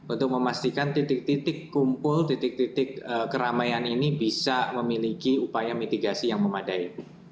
untuk memastikan titik titik kumpul titik titik keramaian ini bisa memiliki upaya mitigasi yang memadai